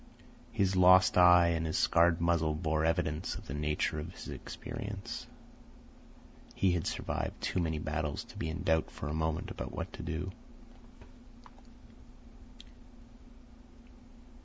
His lost eye and his scarred muzzle bore evidence to the nature of his experience. He had survived too many battles to be in doubt for a moment about what to do.